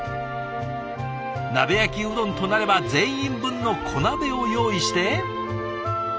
鍋焼きうどんとなれば全員分の小鍋を用意して。